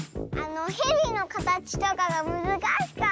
ヘビのかたちとかがむずかしかった。